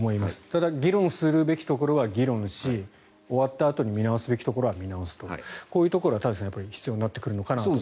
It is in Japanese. ただ、議論すべきところは議論し終わったあとに見直すべきところは見直すとこういうところは田崎さん必要になってくるのかなと。